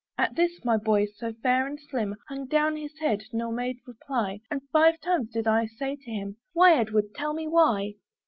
At this, my boy, so fair and slim, Hung down his head, nor made reply; And five times did I say to him, "Why? Edward, tell me why?"